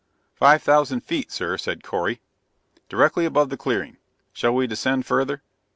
"Five thousand feet, sir," said Correy. "Directly above the clearing. Shall we descend further?"